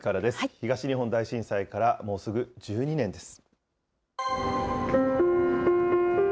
東日本大震災からもうすぐ１２年です。